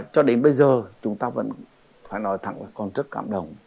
cho đến bây giờ chúng ta vẫn phải nói thẳng là còn rất cảm động